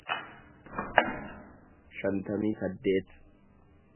shantamii saddeet